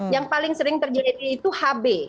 yang paling sering terjadi itu hb